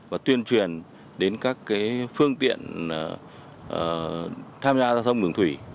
và tuyên truyền đến các phương tiện tham gia giao thông đường thủy